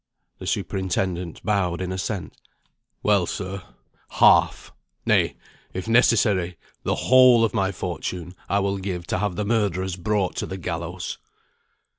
The superintendent bowed in assent. "Well, sir, half nay, if necessary, the whole of my fortune I will give to have the murderer brought to the gallows."